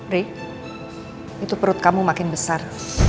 ri itu perut kamu makin besar